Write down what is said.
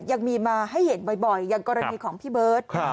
ยังมีมาให้เห็นบ่อยอย่างกรณีของพี่เบิร์ต